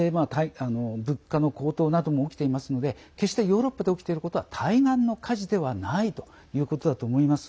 物価の高騰なども起きていますので決してヨーロッパで起きていることは対岸の火事ではないということだと思います。